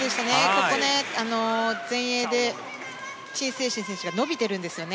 ここ、前衛でチン・セイシン選手が伸びてるんですよね。